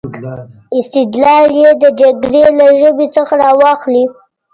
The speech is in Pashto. استدلال یې د جګړې له ژبې څخه را واخلي.